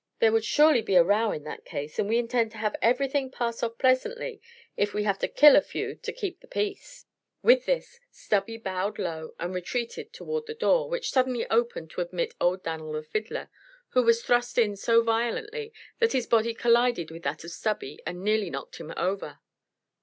There would surely be a row, in that case, and we intend to have everything; pass off pleasantly if we have to kill a few to keep the peace." With this Stubby bowed low and retreated toward the door, which suddenly opened to admit old Dan'l the fiddler, who was thrust in so violently that his body collided with that of Stubby and nearly knocked him over.